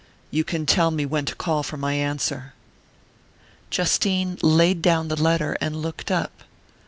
You can tell me when to call for my answer." Justine laid down the letter and looked up.